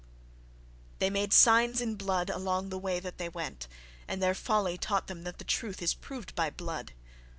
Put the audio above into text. They made signs in blood along the way that they went, and their folly taught them that the truth is proved by blood.